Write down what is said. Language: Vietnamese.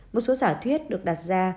một số giả thuyết được đặt ra